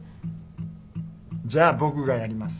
じゃあ僕がやります。